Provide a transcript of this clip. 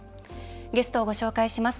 ゲストをご紹介します。